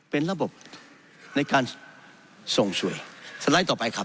เป็นระบบในการส่งสวยสไลด์ต่อไปครับ